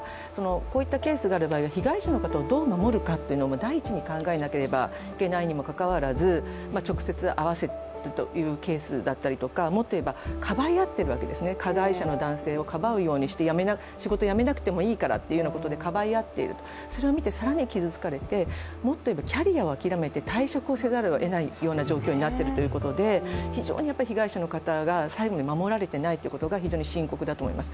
こういったケースの場合は被害者の方をどう守るかっていうのも第一に考えなければいけないにもかかわらず直接会わせるというケースだったりとかもっといえばかばいあっているわけですよね、加害男性をかばってやめなくていいよとかばい合っている、それを見て更に傷つかれてもっといえばキャリアを諦めて退職をせざるをえない状況になっているということで非常に被害者の方が最後に守られていないということが非常に深刻だと思います。